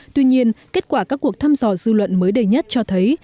tuy nhiên kết quả các cuộc thăm dò dư luận mới đây nhất cho thấy